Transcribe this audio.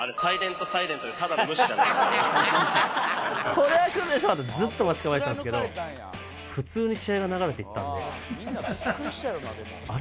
これはくるでしょってずっと待ち構えてたんですけど普通に試合が流れていったんであれ？